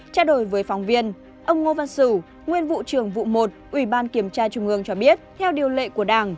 trao đổi với phóng viên ông ngô văn sử nguyên vụ trưởng vụ một ủy ban kiểm tra trung ương cho biết theo điều lệ của đảng